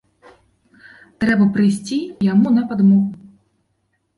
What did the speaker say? Трэба прыйсці яму на падмогу.